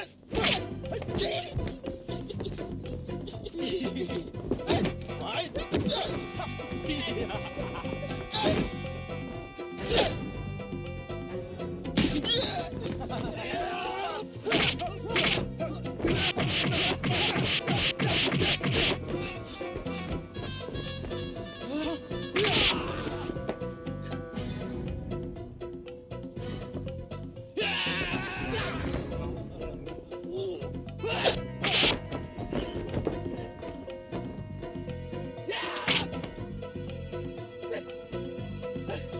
kau mau mencari mampus